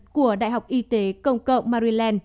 của đại học y tế công cộng maryland